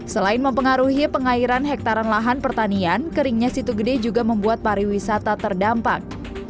selain mempengaruhi pengairan hektaran lahan pertanian keringnya situ gede juga membuat pariwisata terdampak